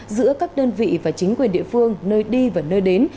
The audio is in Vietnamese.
giữa các đơn vị và chính quyền địa phương nơi đi và nơi đến